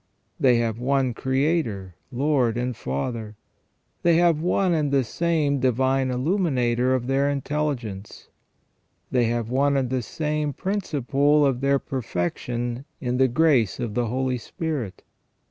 They have one Creator, Lord, and Father ; they have one and the same Divine Illuminator of their intelligence ; they have one and the same principle of their per fection in the grace of the Holy Spirit.